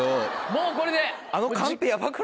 もうこれで。